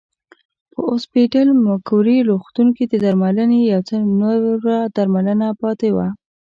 په اوسپیډل مګوري روغتون کې د درملنې یو څه نوره درملنه پاتې وه.